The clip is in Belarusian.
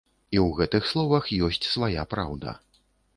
І ў гэтых словах ёсць свая праўда.